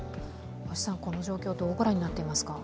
この状況、どう御覧になっていますか？